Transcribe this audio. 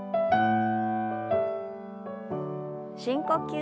深呼吸。